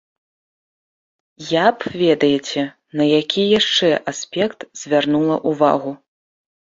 Я б ведаеце, на які яшчэ аспект звярнула ўвагу.